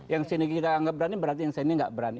yang sini kita anggap berani berarti yang sini nggak berani